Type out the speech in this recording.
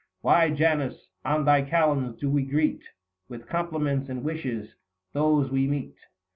" Why, Janus, on thy Kalends do we greet 185 With compliments and wishes those we meet